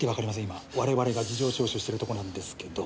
今我々が事情聴取してるとこなんですけど。